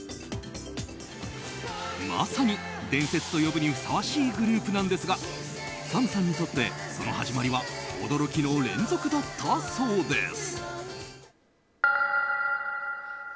まさに伝説と呼ぶにふさわしいグループなんですがＳＡＭさんにとってその始まりは驚きの連続だったそうです。